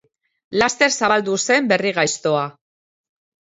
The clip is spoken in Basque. Laster zabaldu zen berri gaiztoa.